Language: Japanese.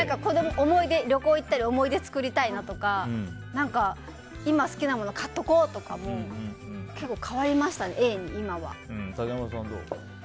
旅行行ったり思い出作りたいなとか今好きなもの買っておこうとかも竹山さん、どう？